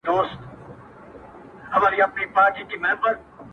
بس ده ژړا مه كوه مړ به مي كړې ـ